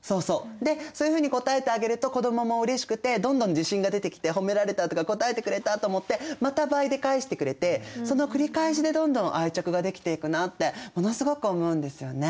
でそういうふうに応えてあげると子どももうれしくてどんどん自信が出てきて褒められたとか応えてくれたと思ってまた倍で返してくれてその繰り返しでどんどん愛着ができていくなってものすごく思うんですよね。